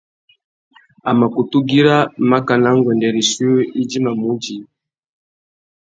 A mà kutu güira makana nguêndê rissú idjimamú udjï.